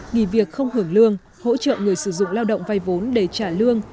nghỉ việc không hưởng lương hỗ trợ người sử dụng lao động vay vốn để trả lương